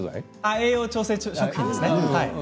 栄養調整食品ですね。